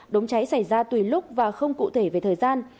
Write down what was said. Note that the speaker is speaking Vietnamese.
đống cháy xảy ra tùy lúc và không cụ thể về thời gian